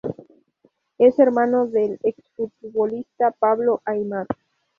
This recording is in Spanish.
Es hermano del ex-futbolista Pablo Aimar.